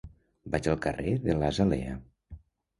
Vaig al carrer de l'Azalea.